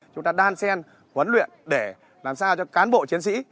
chúng ta đang xem huấn luyện để làm sao cho cán bộ chiến sĩ